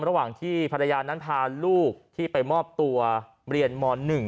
ระหว่างที่ภรรยานั้นพาลูกที่ไปมอบตัวเรียนม๑